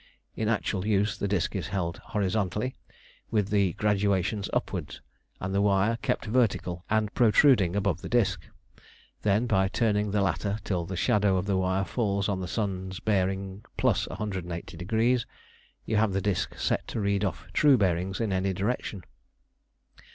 In actual use the disc is held horizontally, with the graduations upwards, and the wire kept vertical and protruding above the disc. Then, by turning the latter till the shadow of the wire falls on the sun's bearing plus 180 degrees, you have the disc set to read off true bearings in any direction.